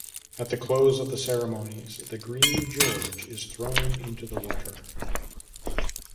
At the close of the ceremonies the Green George is thrown into the water.